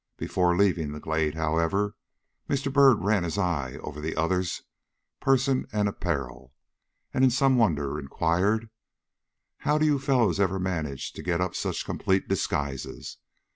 Before leaving the glade, however, Mr. Byrd ran his eye over the other's person and apparel, and in some wonder inquired: "How do you fellows ever manage to get up such complete disguises?